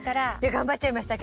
頑張っちゃいましたけど。